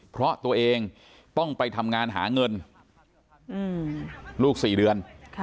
เพราะตัวเองต้องไปทำงานหาเงินลูก๔เดือน